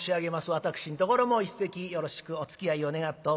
私んところも一席よろしくおつきあいを願っておきます。